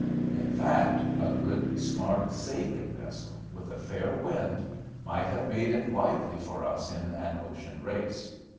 In fact, a good smart sailing vessel, with a fair wind, might have made it lively for us in an ocean race.